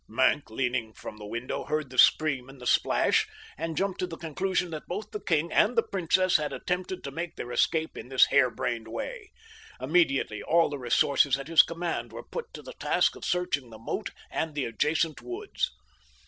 Maenck, leaning from the window, heard the scream and the splash, and jumped to the conclusion that both the king and the princess had attempted to make their escape in this harebrained way. Immediately all the resources at his command were put to the task of searching the moat and the adjacent woods.